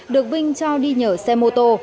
được vinh cho đi nhở xe mô tô